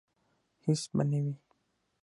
هیڅ به نه وي